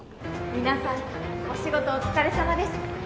皆さんお仕事お疲れさまです